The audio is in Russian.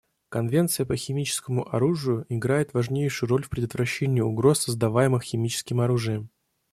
Конвенция по химическому оружию играет важнейшую роль в предотвращении угроз, создаваемых химическим оружием.